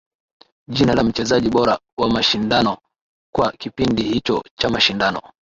Jina la mchezaji bora wa mashindano kwa kipindi hicho cha mashindano